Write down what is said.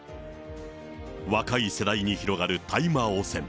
若い世代に広がる大麻汚染。